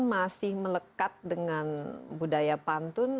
masih melekat dengan budaya pantun